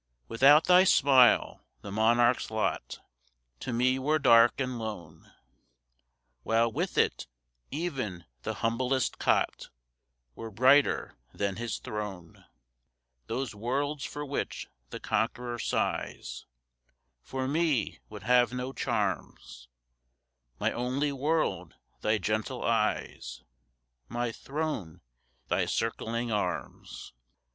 Without thy smile, the monarch's lot To me were dark and lone, While, with it, even the humblest cot Were brighter than his throne. Those worlds for which the conqueror sighs For me would have no charms; My only world thy gentle eyes My throne thy circling arms!